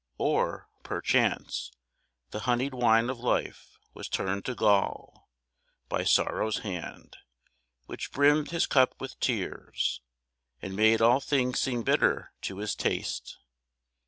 Or perchance The honeyed wine of life was turned to gall By sorrow's hand, which brimmed his cup with tears, And made all things seem bitter to his taste.